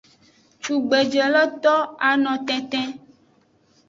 Cugbeje lo to ano tenten.